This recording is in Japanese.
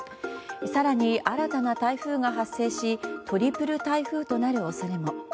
更に新たな台風が発生しトリプル台風となる恐れも。